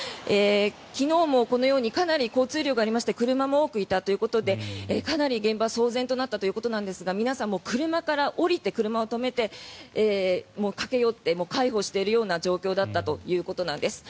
昨日もこのようにかなり交通量がありまして車も多くいたということでかなり現場は騒然となったということですが皆さん、車から降りて車を止めて駆け寄って介抱しているような状況だったということです。